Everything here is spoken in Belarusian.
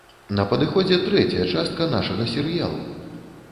На падыходзе трэцяя частка нашага серыялу!